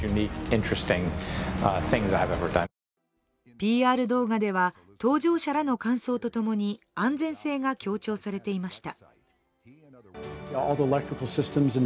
ＰＲ動画では搭乗者らの感想とともに安全性が強調されていました。